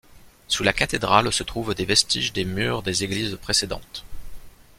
Sous la cathédrale se trouvent des vestiges des murs des églises précédentes.